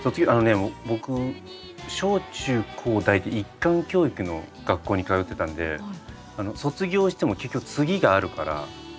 あのね僕小中高大と一貫教育の学校に通ってたんで卒業しても結局次があるから。